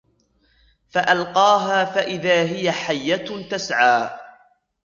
فَأَلْقَاهَا فَإِذَا هِيَ حَيَّةٌ تَسْعَى